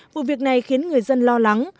vụ việc này khiến người dân lo lắng